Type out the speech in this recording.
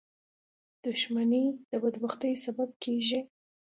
• دښمني د بدبختۍ سبب کېږي.